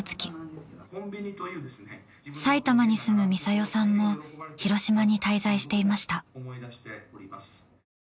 埼玉に住むミサヨさんも広島に滞在していました。